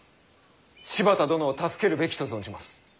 柴田殿を助けるべきと存じます。